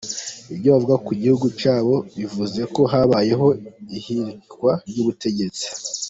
Ibyo avuga ko gihugu cyabo bivuze ko habayeho ihirikwa ry’ubutegetsi.